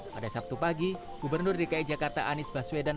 pada sabtu pagi gubernur dki jakarta anies baswedan